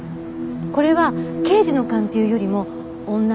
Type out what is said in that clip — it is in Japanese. これは刑事の勘っていうよりも女の勘ね。